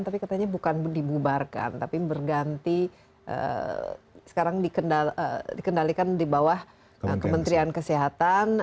tapi katanya bukan dibubarkan tapi berganti sekarang dikendalikan di bawah kementerian kesehatan